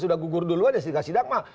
sudah gugur dulu aja sidang sidang